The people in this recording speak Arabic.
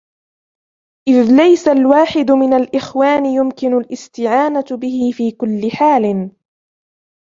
إذْ لَيْسَ الْوَاحِدُ مِنْ الْإِخْوَانِ يُمْكِنُ الِاسْتِعَانَةُ بِهِ فِي كُلِّ حَالٍ